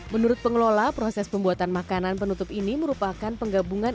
menurut pengelola proses pembuatan makanan penutup ini merupakan penggabungan